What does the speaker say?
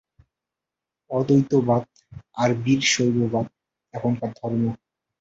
অদ্বৈতবাদ আর বীরশৈববাদ এখানকার ধর্ম।